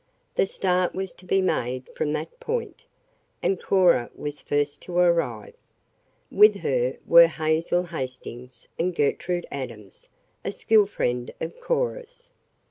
The start was to be made from that point, and Cora was first to arrive. With her were Hazel Hastings, and Gertrude Adams, a school friend of Cora's.